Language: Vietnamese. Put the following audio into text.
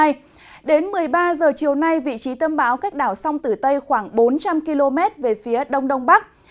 ba h chiều nay vị trí tâm báo cách đảo sông tử tây khoảng bốn trăm linh km về phía đông đông bắc